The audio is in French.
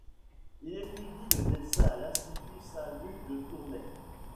Il étudie le dessin à l'Institut Saint-Luc de Tournai.